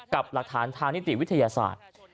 กับหลักฐานทางนิติวิทยาศาสตร์